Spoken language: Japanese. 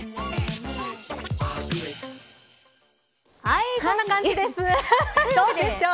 はい、こんな感じです。